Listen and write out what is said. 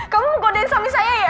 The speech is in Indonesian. kamu mau godein suami saya ya